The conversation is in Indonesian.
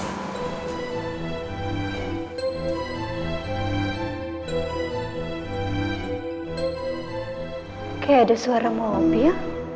kayak ada suara mahir ya